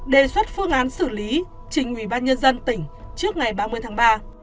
đề xuất phương án xử lý trình ủy ban nhân dân tỉnh trước ngày ba mươi tháng ba